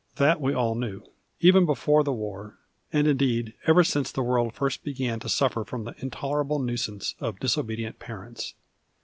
That we all knew, even before the war, and indeed ever sinee the world first began to suffer from the intolerable nuisance of disobedient parents.